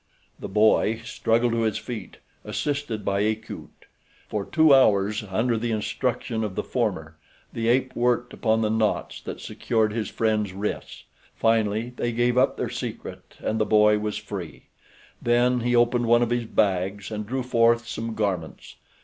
The boy struggled to his feet, assisted by Akut. For two hours under the instructions of the former the ape worked upon the knots that secured his friend's wrists. Finally they gave up their secret, and the boy was free. Then he opened one of his bags and drew forth some garments.